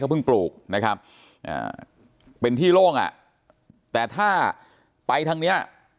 เพิ่งปลูกนะครับเป็นที่โล่งอ่ะแต่ถ้าไปทางเนี้ย